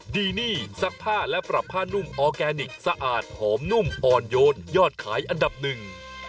ดีนี่ซักผ้าและปรับผ้านุ่มออร์แกนิคสะอาดหอมนุ่มอ่อนโยนยอดขายอันดับหนึ่ง